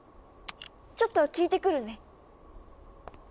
ちょっと聞いてくるね。